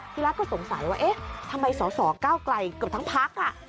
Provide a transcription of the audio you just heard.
ทีแรกก็สงสัยว่าเอ๊ะทำไมสสเก้าไกลเกือบทั้งพัก